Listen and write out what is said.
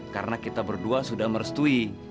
karena kita berdua sudah merestui